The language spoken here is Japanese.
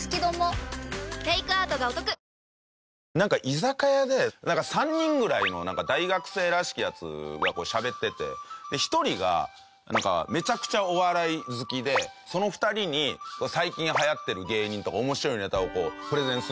居酒屋で３人ぐらいの大学生らしきヤツがしゃべってて１人がめちゃくちゃお笑い好きでその２人に最近流行ってる芸人とか面白いネタをプレゼンするみたいな。